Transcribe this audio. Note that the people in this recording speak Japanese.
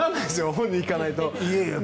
本人に聞かないと。